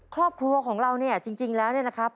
ครอบครัวของเราจริงแล้วนะครับ